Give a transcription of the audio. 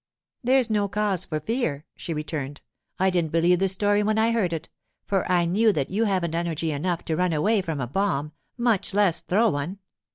'There's no cause for fear,' she returned. 'I didn't believe the story when I heard it, for I knew that you haven't energy enough to run away from a bomb, much less throw one.